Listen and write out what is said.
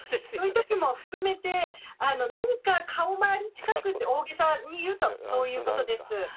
そういうときも含めて、何か顔周り近くって、大げさに言うと、そういうことです。